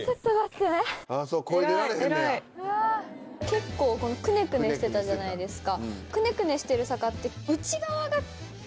結構クネクネしてたじゃないですか。